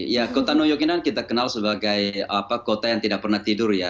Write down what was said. ya kota new york ini kan kita kenal sebagai kota yang tidak pernah tidur ya